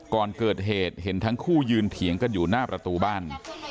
ก่อนเกิดเหตุเห็นทั้งคู่ยืนเถียงกันอยู่หน้าประตูบ้าน